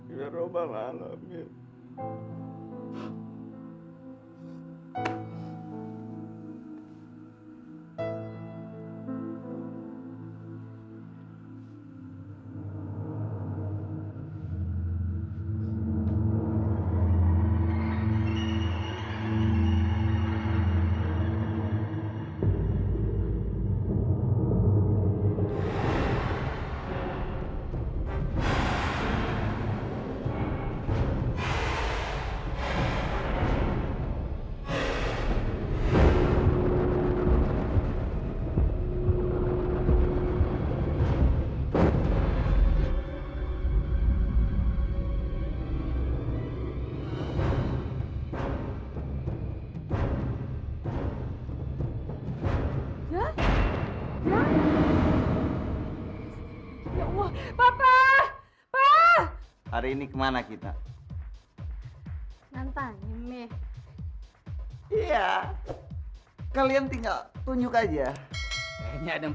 yang maha pengatur